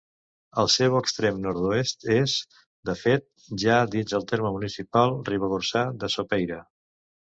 El seu extrem nord-oest és, de fet, ja dins del terme municipal ribagorçà de Sopeira.